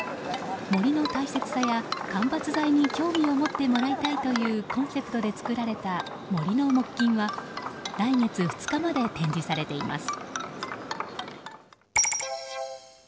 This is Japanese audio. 森の大切さやに間伐材に興味を持ってもらいたいというコンセプトで作られた森の木琴は来月２日まで展示されています。